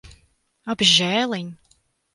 Apžēliņ.